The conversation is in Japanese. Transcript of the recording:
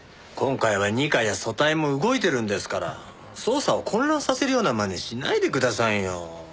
今回は二課や組対も動いてるんですから捜査を混乱させるような真似しないでくださいよ。